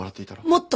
もっと！